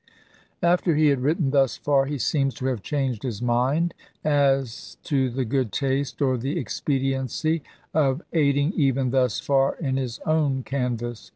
After he had written thus far he seems to have changed his mind as to the good taste or the expe diency of aiding even thus far in his own canvass.